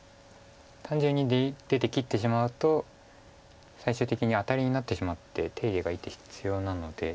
単純に出て切ってしまうと最終的にアタリになってしまって手入れが１手必要なので。